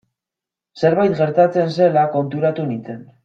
Zerbait gertatzen zela konturatu nintzen.